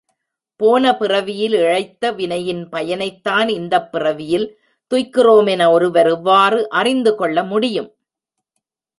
போன பிறவியில் இழைத்த வினையின் பயனைத்தான் இந்தப் பிறவியில் துய்க்கிறோம் என ஒருவர் எவ்வாறு அறிந்து கொள்ள முடியும்?